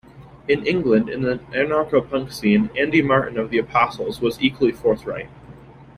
In England, in the anarcho-punk scene, Andy Martin of The Apostles was equally forthright.